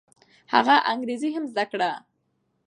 هغه انګریزي هم زده کړه.